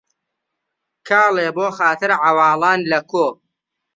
کاڵێ بۆ خاتر عەواڵان لە کۆ